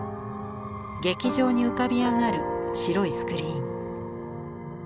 劇場に浮かび上がる白いスクリーン。